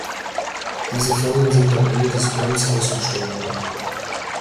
Diese Formen sind am Ende des Perms ausgestorben.